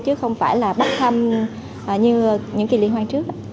chứ không phải là bắt thăm như những kỳ liên hoan trước ạ